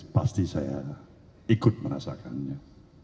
pasti saya ikut merasakannya